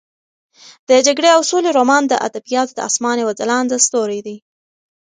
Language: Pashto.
د جګړې او سولې رومان د ادبیاتو د اسمان یو ځلانده ستوری دی.